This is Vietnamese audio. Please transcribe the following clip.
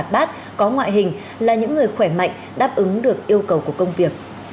bác có ngoại hình là những người khỏe mạnh đáp ứng được yêu cầu của công việc